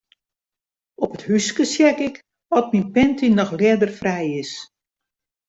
Op it húske check ik oft myn panty noch ljedderfrij is.